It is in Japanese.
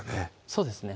そうですね